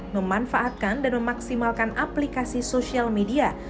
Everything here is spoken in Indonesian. memanfaatkan dan memaksimalkan aplikasi sosial media